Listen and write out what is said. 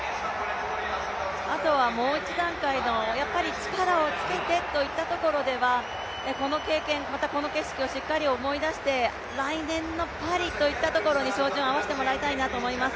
あとはもう一段階の、やっぱり力をつけてといったところではこの経験、この景色をしっかり思い出して、来年のパリといったところに照準を合わせてもらいたいなと思います。